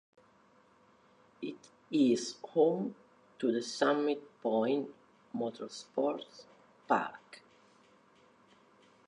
It is home to the Summit Point Motorsports Park.